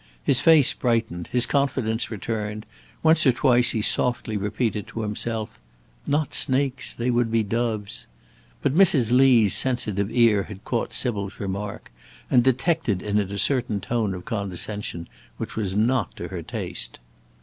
His face brightened, his confidence returned; once or twice he softly repeated to himself: "Not snakes; they would be doves!" But Mrs. Lee's sensitive ear had caught Sybil's remark, and detected in it a certain tone of condescension which was not to her taste.